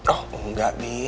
oh enggak bi